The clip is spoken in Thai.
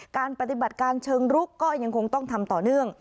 การปฏิบัติการเชิงรุกก็ยังคงต้องทำต่อเนื่อง